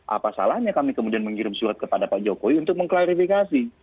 apa salahnya kami kemudian mengirim surat kepada pak jokowi untuk mengklarifikasi